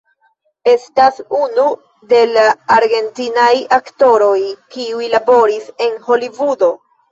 Estas unu de la argentinaj aktoroj kiuj laboris en Holivudo.